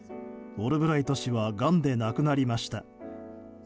オルブライト氏はがんで亡くなりました。